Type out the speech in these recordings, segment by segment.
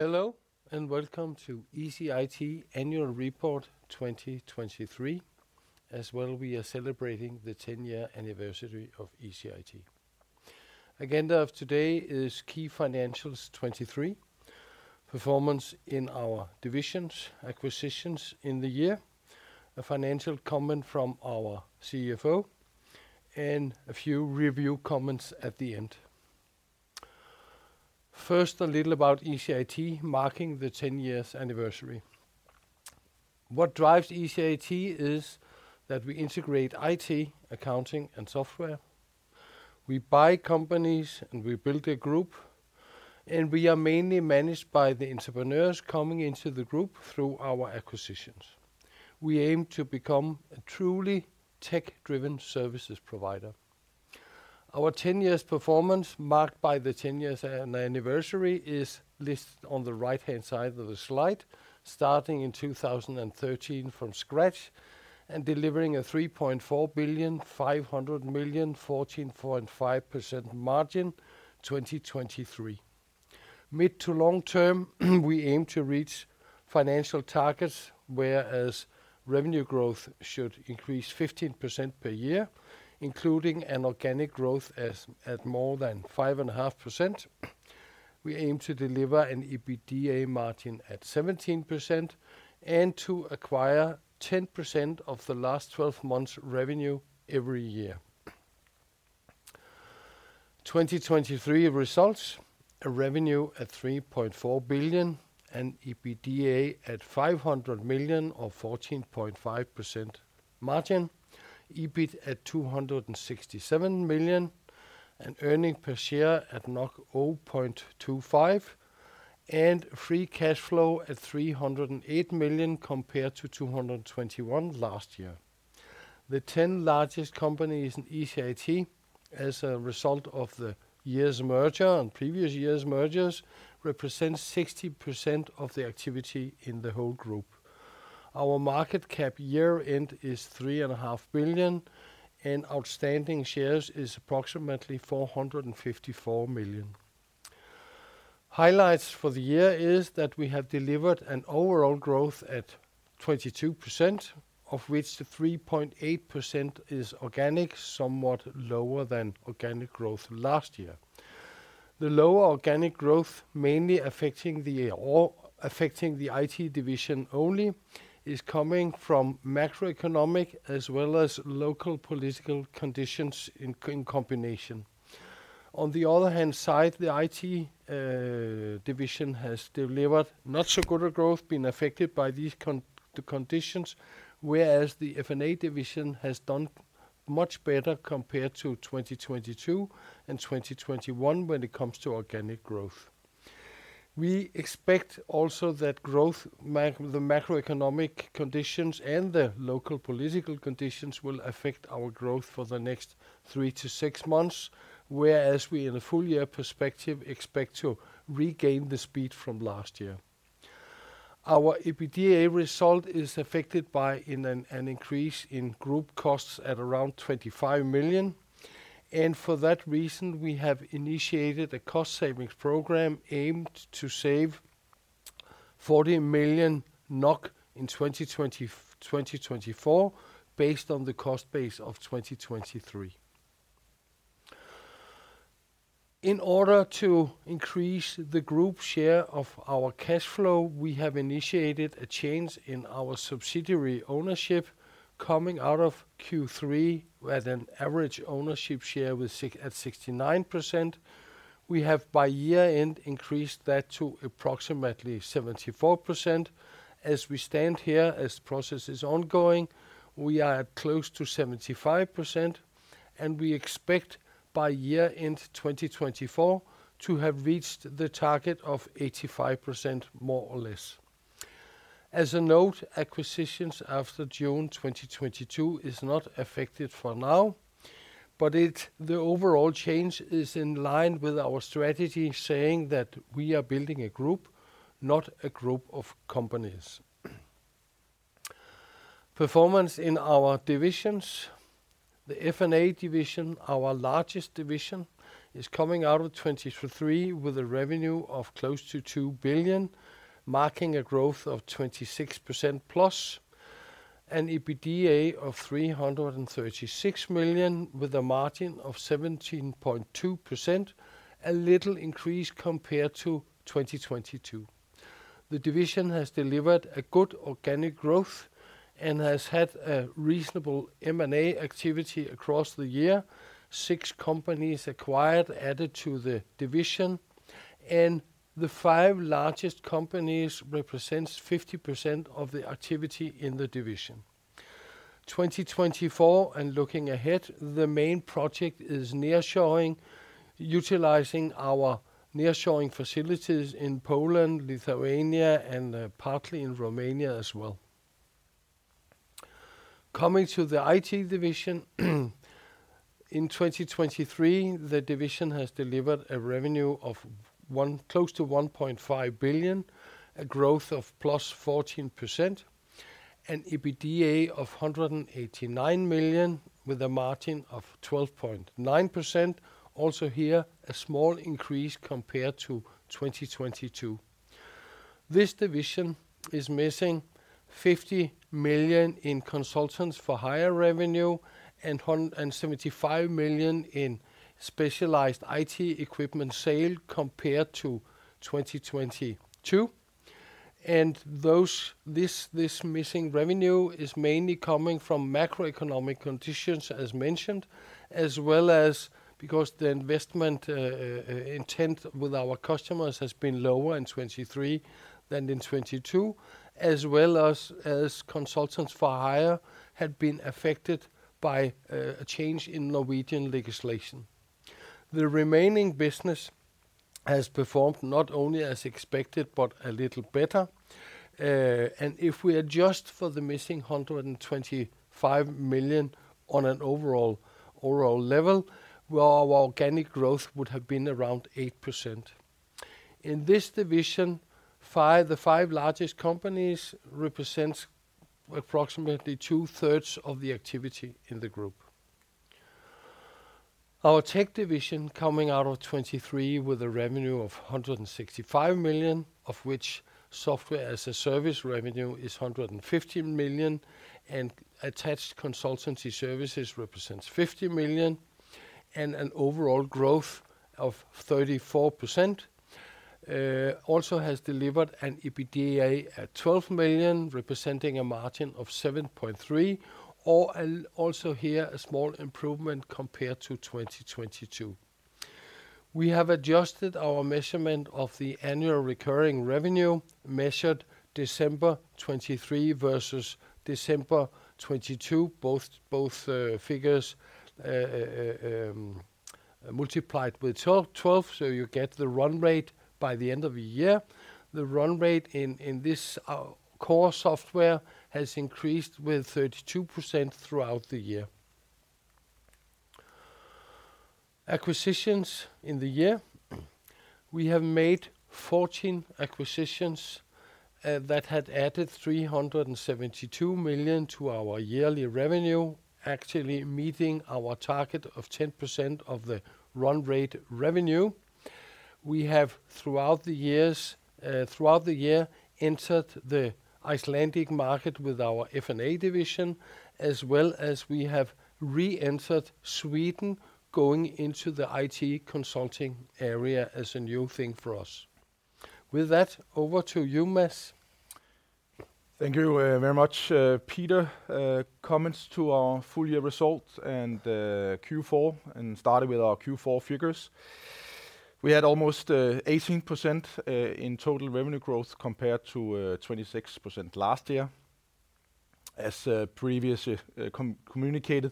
Hello, and welcome to ECIT Annual Report 2023. As well, we are celebrating the 10-year anniversary of ECIT. Agenda of today is key financials 2023, performance in our divisions, acquisitions in the year, a financial comment from our CFO, and a few review comments at the end. First, a little about ECIT, marking the 10-year anniversary. What drives ECIT is that we integrate IT, accounting, and software. We buy companies, and we build a group, and we are mainly managed by the entrepreneurs coming into the group through our acquisitions. We aim to become a truly tech-driven services provider. Our 10-year performance, marked by the 10-year anniversary, is listed on the right-hand side of the slide, starting in 2013 from scratch and delivering 3.45 billion, 14.5% margin 2023. Mid- to long-term, we aim to reach financial targets, whereas revenue growth should increase 15% per year, including an organic growth as at more than 5.5%. We aim to deliver an EBITDA margin at 17% and to acquire 10% of the last 12 months' revenue every year. 2023 results: a revenue at 3.4 billion and EBITDA at 500 million, or 14.5% margin, EBIT at 267 million, and earnings per share at 0.25, and free cash flow at 308 million compared to 221 million last year. The 10 largest companies in ECIT, as a result of the year's merger and previous years' mergers, represents 60% of the activity in the whole group. Our market cap year-end is 3.5 billion, and outstanding shares is approximately 454 million. Highlights for the year is that we have delivered an overall growth at 22%, of which the 3.8% is organic, somewhat lower than organic growth last year. The lower organic growth, mainly affecting the, or affecting the IT division only, is coming from macroeconomic as well as local political conditions in combination. On the other hand side, the IT division has delivered not so good a growth, been affected by these conditions, whereas the F&A Division has done much better compared to 2022 and 2021 when it comes to organic growth. We expect also that growth, the macroeconomic conditions and the local political conditions will affect our growth for the next three to six months, whereas we, in a full year perspective, expect to regain the speed from last year. Our EBITDA result is affected by an increase in group costs at around 25 million, and for that reason, we have initiated a cost-savings program aimed to save 40 million NOK in 2024, based on the cost base of 2023. In order to increase the group share of our cash flow, we have initiated a change in our subsidiary ownership coming out of Q3, at an average ownership share of 69%. We have, by year-end, increased that to approximately 74%. As we stand here, as process is ongoing, we are at close to 75%, and we expect by year-end 2024 to have reached the target of 85%, more or less. As a note, acquisitions after June 2022 is not affected for now, but it... The overall change is in line with our strategy, saying that we are building a group, not a group of companies. Performance in our divisions. The F&A Division, our largest division, is coming out of 2023 with a revenue of close to 2 billion, marking a growth of 26%+, an EBITDA of 336 million, with a margin of 17.2%, a little increase compared to 2022. The division has delivered a good organic growth and has had a reasonable M&A activity across the year. Six companies acquired, added to the division, and the five largest companies represents 50% of the activity in the division. 2024, and looking ahead, the main project is nearshoring, utilizing our nearshoring facilities in Poland, Lithuania, and partly in Romania as well. Coming to the IT Division, in 2023, the division has delivered a revenue of close to 1.5 billion—a growth of +14%, and EBITDA of 189 million, with a margin of 12.9%. Also here, a small increase compared to 2022. This division is missing 50 million in consultants for hire revenue and 175 million in specialized IT equipment sale compared to 2022. This missing revenue is mainly coming from macroeconomic conditions, as mentioned, as well as because the investment intent with our customers has been lower in 2023 than in 2022, as well as consultants for hire have been affected by a change in Norwegian legislation. The remaining business has performed not only as expected, but a little better. If we adjust for the missing 125 million on an overall level, well, our organic growth would have been around 8%. In this division, the five largest companies represents approximately two-thirds of the activity in the group. Our Tech Division coming out of 2023 with a revenue of 165 million, of which software as a service revenue is 150 million, and attached consultancy services represents 50 million, and an overall growth of 34%. Also has delivered an EBITDA of 12 million, representing a margin of 7.3%, also here, a small improvement compared to 2022. We have adjusted our measurement of the annual recurring revenue, measured December 2023 versus December 2022, both figures multiplied with 12, so you get the run rate by the end of the year. The run rate in this core software has increased with 32% throughout the year. Acquisitions in the year, we have made 14 acquisitions that had added 372 million to our yearly revenue, actually meeting our target of 10% of the run rate revenue. We have, throughout the years, throughout the year, entered the Icelandic market with our F&A Division, as well as we have re-entered Sweden, going into the IT consulting area as a new thing for us. With that, over to you, Mads. Thank you very much, Peter. Comments to our full year results and Q4, and starting with our Q4 figures. We had almost 18% in total revenue growth compared to 26% last year. As previously communicated,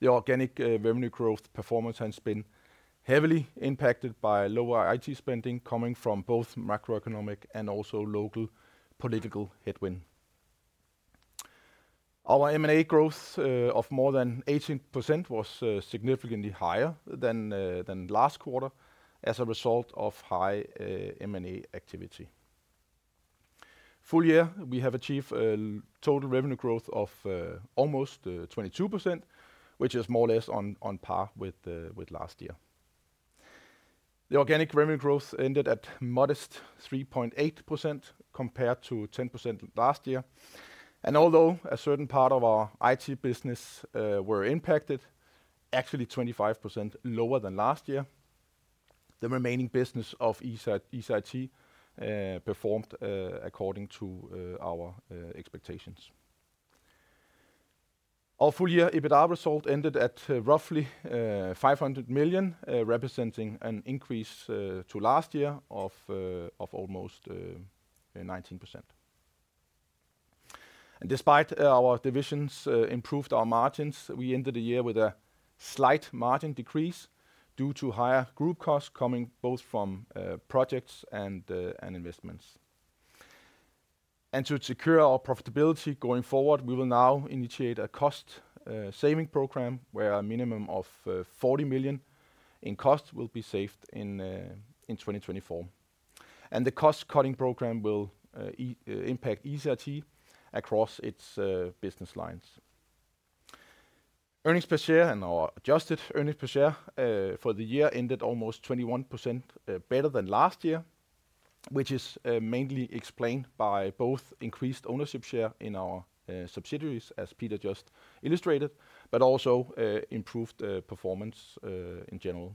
the organic revenue growth performance has been heavily impacted by lower IT spending, coming from both macroeconomic and also local political headwind. Our M&A growth of more than 18% was significantly higher than last quarter, as a result of high M&A activity. Full year, we have achieved a total revenue growth of almost 22%, which is more or less on par with last year. The organic revenue growth ended at modest 3.8%, compared to 10% last year. Although a certain part of our IT business were impacted, actually 25% lower than last year, the remaining business of ECIT performed according to our expectations. Our full year EBITDA result ended at roughly 500 million, representing an increase to last year of almost 19%. Despite our divisions improved our margins, we ended the year with a slight margin decrease due to higher group costs coming both from projects and investments. To secure our profitability going forward, we will now initiate a cost saving program, where a minimum of 40 million in costs will be saved in 2024. The cost-cutting program will impact ECIT across its business lines. Earnings per share and our adjusted earnings per share for the year ended almost 21% better than last year, which is mainly explained by both increased ownership share in our subsidiaries, as Peter just illustrated, but also improved performance in general.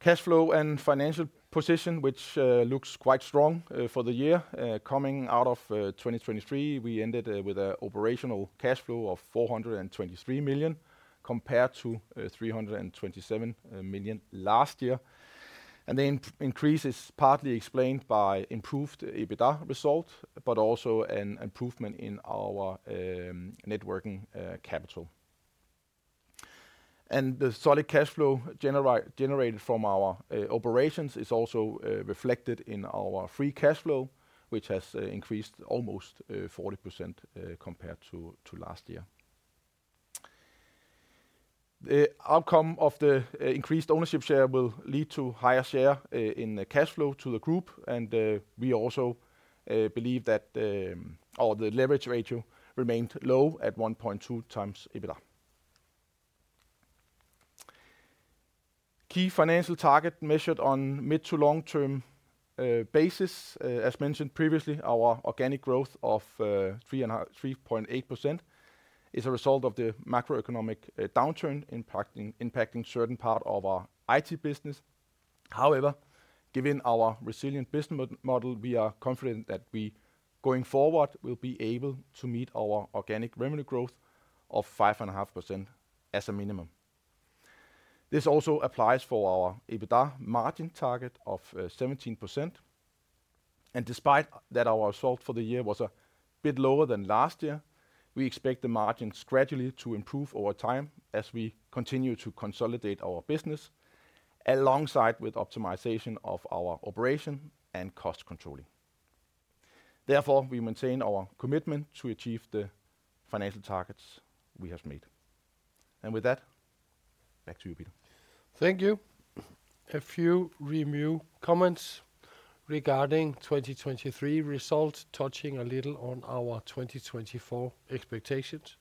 Cash flow and financial position, which looks quite strong for the year. Coming out of 2023, we ended with an operational cash flow of 423 million, compared to 327 million last year. The increase is partly explained by improved EBITDA result, but also an improvement in our working capital. The solid cash flow generated from our operations is also reflected in our free cash flow, which has increased almost 40% compared to last year. The outcome of the increased ownership share will lead to higher share in the cash flow to the group, and we also believe that the leverage ratio remained low at 1.2x EBITDA. Key financial target measured on mid- to long-term basis. As mentioned previously, our organic growth of 3.8% is a result of the macroeconomic downturn impacting certain part of our IT business. However, given our resilient business model, we are confident that we, going forward, will be able to meet our organic revenue growth of 5.5% as a minimum. This also applies for our EBITDA margin target of 17%, and despite that, our result for the year was a bit lower than last year. We expect the margins gradually to improve over time as we continue to consolidate our business, alongside with optimization of our operation and cost controlling. Therefore, we maintain our commitment to achieve the financial targets we have made. With that, back to you, Peter. Thank you. A few review comments regarding 2023 results, touching a little on our 2024 expectations.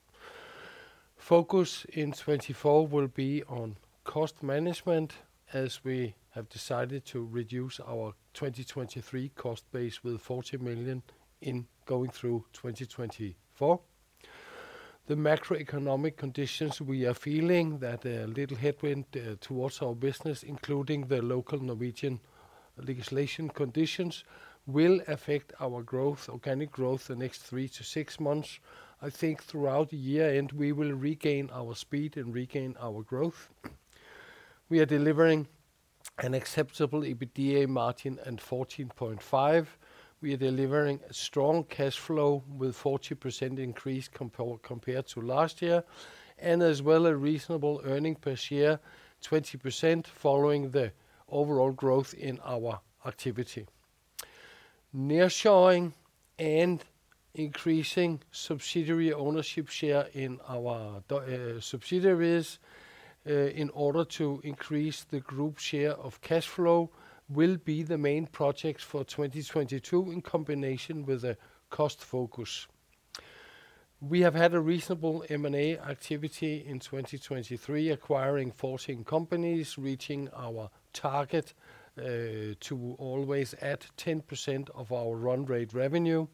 Focus in 2024 will be on cost management, as we have decided to reduce our 2023 cost base with 40 million in going through 2024. The macroeconomic conditions, we are feeling that a little headwind towards our business, including the local Norwegian legislation conditions, will affect our growth, organic growth, the next three to six months. I think throughout the year, and we will regain our speed and regain our growth. We are delivering an acceptable EBITDA margin and 14.5%. We are delivering a strong cash flow with 40% increase compared to last year, and as well, a reasonable earnings per share, 20%, following the overall growth in our activity. Nearshoring and increasing subsidiary ownership share in our subsidiaries, in order to increase the group share of cash flow, will be the main projects for 2022, in combination with a cost focus. We have had a reasonable M&A activity in 2023, acquiring 14 companies, reaching our target to always add 10% of our run rate revenue.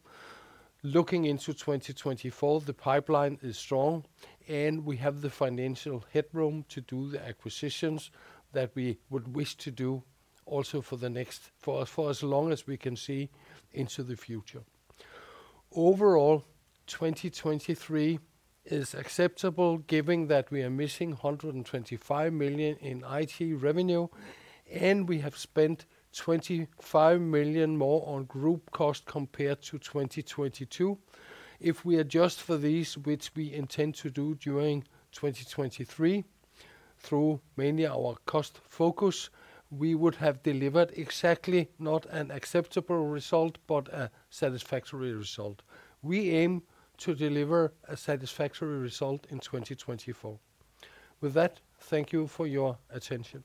Looking into 2024, the pipeline is strong, and we have the financial headroom to do the acquisitions that we would wish to do also for as long as we can see into the future. Overall, 2023 is acceptable, given that we are missing 125 million in IT revenue, and we have spent 25 million more on group cost compared to 2022. If we adjust for these, which we intend to do during 2023, through mainly our cost focus, we would have delivered exactly, not an acceptable result, but a satisfactory result. We aim to deliver a satisfactory result in 2024. With that, thank you for your attention.